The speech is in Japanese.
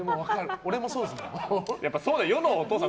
俺もそうですもん。